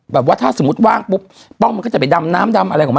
แบบว่าถ้าสมมุติว่างปุ๊บป้องมันก็จะไปดำน้ำดำอะไรของมัน